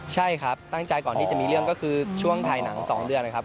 ใช่ครับตั้งใจก่อนที่จะมีเรื่องก็คือช่วงถ่ายหนัง๒เดือนนะครับ